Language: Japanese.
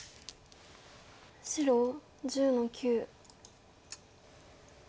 白１０の九。